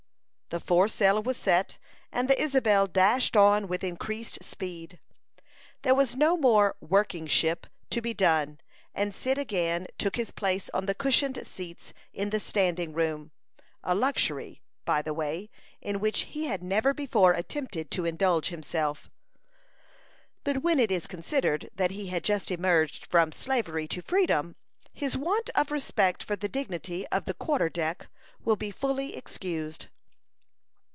The foresail was set, and the Isabel dashed on with increased speed. There was no more "working ship" to be done, and Cyd again took his place on the cushioned seats in the standing room, a luxury, by the way, in which he had never before attempted to indulge himself; but when it is considered that he had just emerged from slavery to freedom, his want of respect for the dignity of the "quarter deck" will be fully excused.